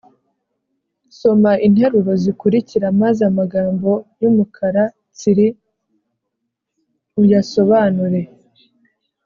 soma interuro zikurikira maze amagambo y’umukara tsiri uyasobanure